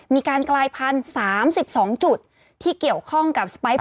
มีการกลายพันธุ์๓๒จุดที่เกี่ยวข้องกับสไปร์